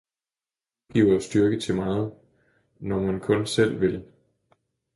Gud giver os styrke til meget, når man kun selv vil!